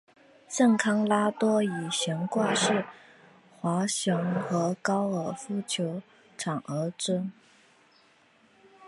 圣康拉多以悬挂式滑翔和高尔夫球场而着称。